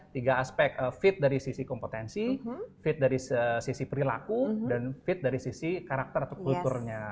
tiga aspek fit dari sisi kompetensi feed dari sisi perilaku dan fit dari sisi karakter atau kulturnya